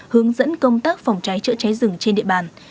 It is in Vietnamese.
hướng dẫn công tác phòng cháy chữa cháy rừng trên địa bàn